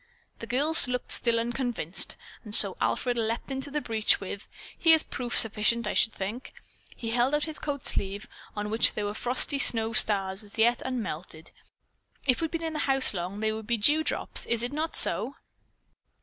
The girls looked still unconvinced, and so Alfred leaped into the breach with, "Here's proof sufficient, I should think." He held out his coat sleeve, on which there were frosty snow stars as yet unmelted. "If we'd been long in the house, they would be dewdrops. Is it not so?"